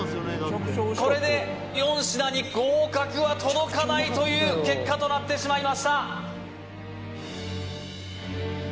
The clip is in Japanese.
これで４品に合格は届かないという結果となってしまいました